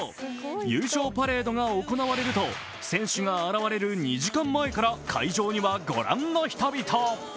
優勝パレードが行われると選手が現れる２時間前から会場にはご覧の人々。